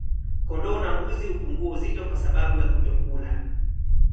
Kondoo na mbuzi hupungua uzito kwa sababu ya kutokula